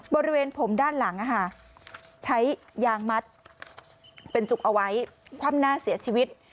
บริเวณผมด้านหลังใช้ยางมัดเป็นจุกเอาไว้คว่ำหน้าเสียชีวิต